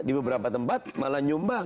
di beberapa tempat malah nyumbang